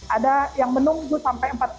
ada yang menunggu sampai empat jam